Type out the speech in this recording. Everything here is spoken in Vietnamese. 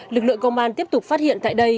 lực lượng công an tiếp tục phát hiện tại đây